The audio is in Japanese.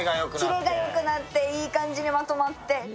キレがよくなっていい感じにまとまって。